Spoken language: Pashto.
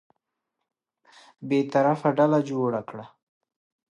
بېطرفه ډله جوړه کړه.